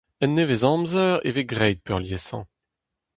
En nevezamzer e vez graet peurliesañ.